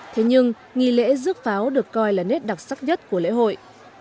thế nhưng nghi lễ rước pháo được coi là nét đặc sắc nhất của lễ hội